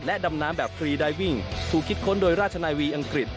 ดำน้ำแบบฟรีไดวิ่งถูกคิดค้นโดยราชนาวีอังกฤษ